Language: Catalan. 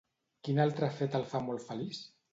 Quin altre fet el fa molt feliç?